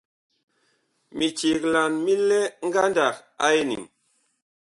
Miceglan mi lɛ ngandag a eniŋ.